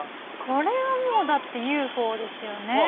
これはもうだってＵＦＯですよね